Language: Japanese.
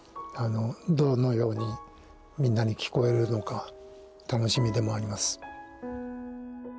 どのようにみんなに聞こえるのか楽しみでもあります。